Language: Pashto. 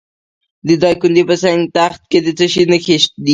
د دایکنډي په سنګ تخت کې د څه شي نښې دي؟